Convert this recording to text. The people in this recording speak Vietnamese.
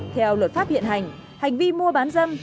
theo luật pháp hiện hành hành vi mua bán dâm